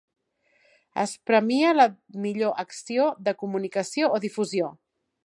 Es premia la millor acció de comunicació o difusió.